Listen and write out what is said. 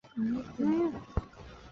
随父徙钱塘。